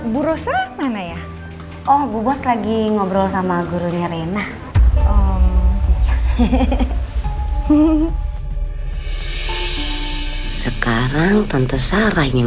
bu rosa mana ya oh bu bos lagi ngobrol sama gurunya rena sekarang tante sarah yang